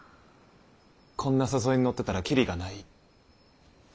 こんな誘いに乗ってたらキリがない。